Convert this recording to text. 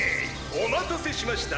お待たせしました！